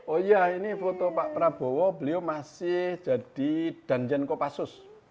oh iya ini foto pak prabowo beliau masih jadi danjen kopassus